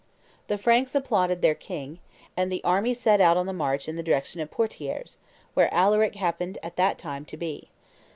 The Franks applauded their king; and the army set out on the march in the direction of Poitiers, where Alaric happened at that time to be.